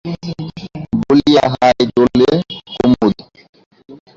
বলিয়া হাই তোলে কুমুদ।